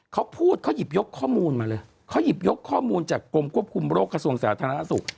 เขาพูดเขาหยิบยกข้อมูลมาเลยเขาหยิบยกข้อมูลจากกรมควบคุมโรคกระทรวงสาธารณสุข